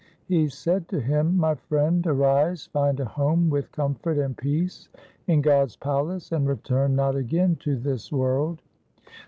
He said to him, ' My friend, arise, find a home with comfort and peace in God's palace, and return not again to this world.'